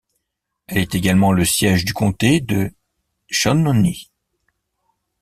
Elle est également le siège du comté de Shawnee.